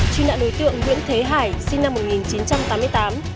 truy nạn đối tượng nguyễn thế hải sinh năm một nghìn chín trăm tám mươi tám